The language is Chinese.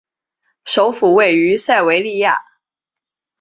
首府位于塞维利亚。